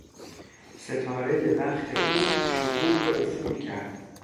ستارهی بخت او شروع به افول کرد.